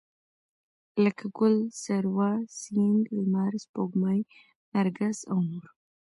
لکه ګل، سروه، سيند، لمر، سپوږمۍ، نرګس او نور